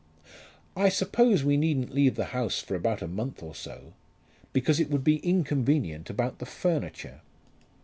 "I suppose we needn't leave the house for about a month or so, because it would be inconvenient about the furniture."